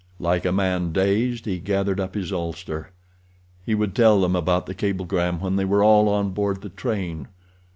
Like a man dazed he gathered up his ulster. He would tell them about the cablegram when they were all on board the train.